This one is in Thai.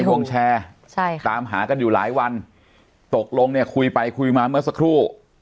วงแชร์ใช่ค่ะตามหากันอยู่หลายวันตกลงเนี่ยคุยไปคุยมาเมื่อสักครู่